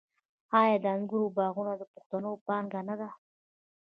آیا د انګورو باغونه د پښتنو پانګه نه ده؟